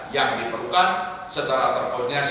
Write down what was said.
yang diperlukan secara terkoneksi